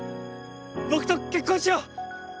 僕と結婚しよう！